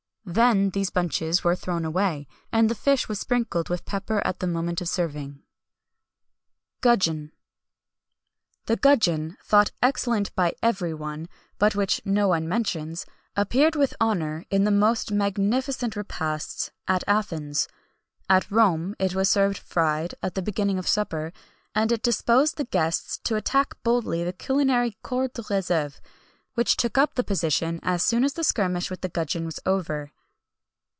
Then these bunches were thrown away, and the fish was sprinkled with pepper at the moment of serving.[XXI 207] GUDGEON. The gudgeon thought excellent by every one, but which no one mentions appeared with honour in the most magnificent repasts at Athens.[XXI 208] At Rome, it was served fried, at the beginning of supper;[XXI 209] and it disposed the guests to attack boldly the culinary corps de réserve, which took up the position as soon as the skirmish with the gudgeon was over.